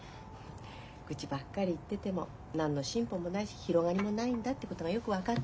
愚痴ばっかり言ってても何の進歩もないし広がりもないんだってことがよく分かった。